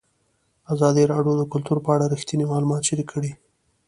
ازادي راډیو د کلتور په اړه رښتیني معلومات شریک کړي.